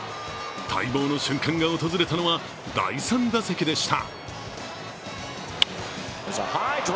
待望の瞬間が訪れたのは、第３打席でした。